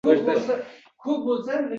Eng yomoni